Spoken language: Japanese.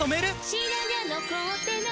「白髪残ってない！」